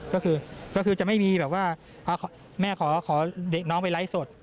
ก็คือจะไม่มีแบบว่าแม่ขอเด็กน้องไปไลฟ์สด